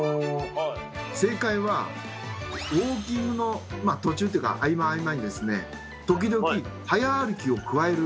正解はウオーキングの途中というか合間合間にですね時々早歩きを加える。